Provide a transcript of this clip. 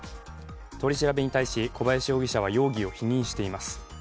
取り調べに対し、小林容疑者は容疑を否認しています。